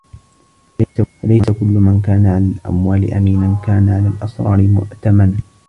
فَلَيْسَ كُلُّ مَنْ كَانَ عَلَى الْأَمْوَالِ أَمِينًا كَانَ عَلَى الْأَسْرَارِ مُؤْتَمَنًا